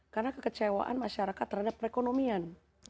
karena kekecewaan masyarakat terhadap perekonomian